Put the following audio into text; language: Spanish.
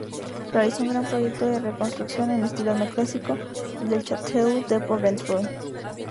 Realizó un gran proyecto de reconstrucción en estilo neoclásico del Château de Porrentruy.